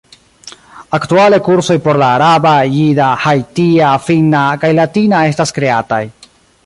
Aktuale kursoj por la araba, jida, haitia, finna, kaj latina estas kreataj.